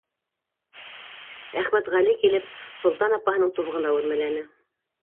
Әхмәтғәле килеп Солтан апаһының тубығына үрмәләне.